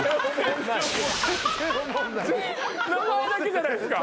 名前だけじゃないですか。